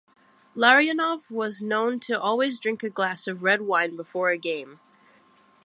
Larionov was known to always drink a glass of red wine before a game.